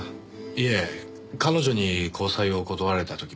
いえ彼女に交際を断られた時も。